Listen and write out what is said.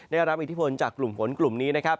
ได้รับอิทธิพลจากกลุ่มฝนกลุ่มนี้นะครับ